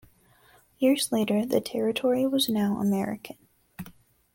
Years later, the territory was now American.